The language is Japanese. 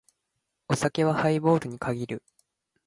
お酒はハイボールに限る。